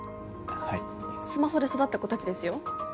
はいスマホで育った子達ですよ？